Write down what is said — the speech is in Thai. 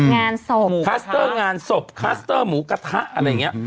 งานศพหมูคลัสเตอร์งานศพคลัสเตอร์หมูกระทะอะไรอย่างนี้